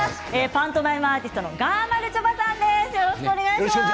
パントマイムアーティストの、がまるちょばさんです。